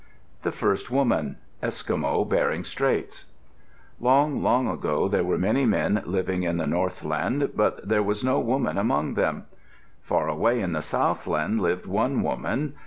THE FIRST WOMAN Eskimo (Bering Straits) Long, long ago there were many men living in the northland, but there was no woman among them. Far away in the southland lived one woman.